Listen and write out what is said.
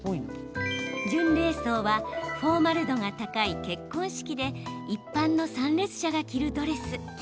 準礼装はフォーマル度が高い結婚式で一般の参列者が着るドレス。